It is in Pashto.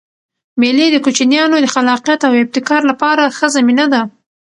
مېلې د کوچنيانو د خلاقیت او ابتکار له پاره ښه زمینه ده.